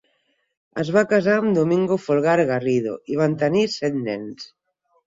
Es va casar amb Domingo Folgar Garrido i van tenir set nens.